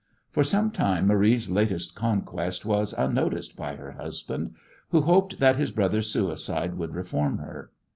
For some time Marie's latest conquest was unnoticed by her husband, who hoped that his brother's suicide would reform her.